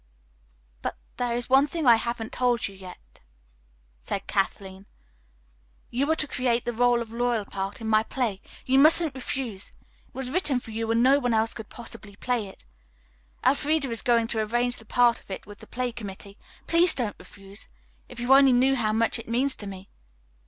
"But there is one thing I haven't yet told you," said Kathleen. "You are to create the role of 'Loyalheart' in my play. You mustn't refuse. It was written for you, and no one else could possibly play it. Elfreda is going to arrange that part of it with the play committee. Please don't refuse. If you only knew how much it means to me."